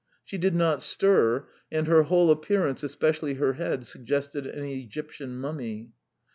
She did not stir, and her whole appearance, especially her head, suggested an Egyptian mummy.